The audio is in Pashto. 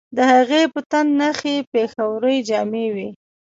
د هغې په تن نخي پېښورۍ جامې وې